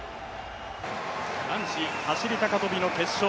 男子走高跳の決勝